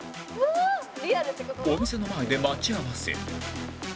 お店の前で待ち合わせ